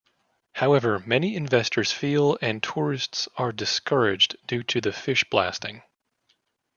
However, many investors feel and tourists are discouraged due to the fish blasting.